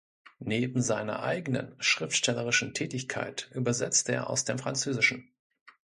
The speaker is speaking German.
Neben seiner eigenen schriftstellerischen Tätigkeit übersetzt er aus dem Französischen.